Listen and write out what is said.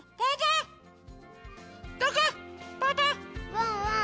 ワンワン